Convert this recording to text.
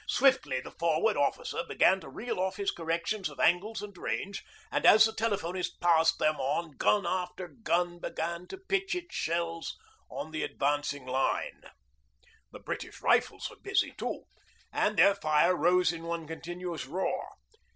Swiftly the Forward Officer began to reel off his corrections of angles and range, and as the telephonist passed them on gun after gun began to pitch its shells on the advancing line. The British rifles were busy too, and their fire rose in one continuous roar.